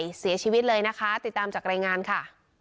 เสียชีวิตเลยนะคะติดตามจากรายงานค่ะ